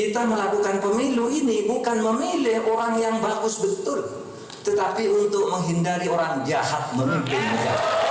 tetapi untuk menghindari orang jahat memimpinnya